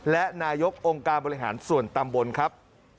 และนายกองค์การบริหารส่วนตำบลครับ